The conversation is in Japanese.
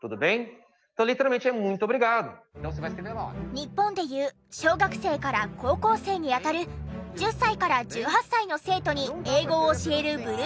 日本で言う小学生から高校生に当たる１０歳から１８歳の生徒に英語を教えるブルーノくん。